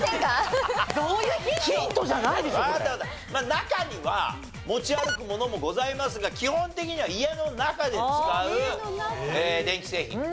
中には持ち歩くものもございますが基本的には家の中で使う電気製品。